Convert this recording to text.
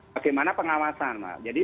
bagaimana pengawasan jadi